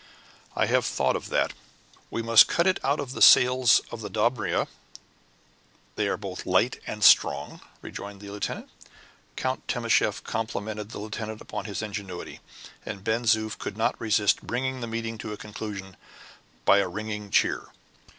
"I have thought of that. We must cut it out of the sails of the Dobryna; they are both light and strong," rejoined the lieutenant. Count Timascheff complimented the lieutenant upon his ingenuity, and Ben Zoof could not resist bringing the meeting to a conclusion by a ringing cheer.